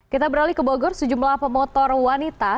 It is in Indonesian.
kita beralih ke bogor sejumlah pemotor wanita